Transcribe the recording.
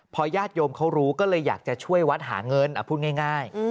พอญาติโยมเขารู้ก็เลยอยากจะช่วยวัดหาเงินพูดง่าย